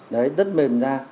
đấy đất mềm ra